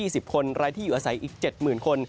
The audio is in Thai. ก็เป็นรายที่อยู่อาศัยอีก๗๐๐๐๐คน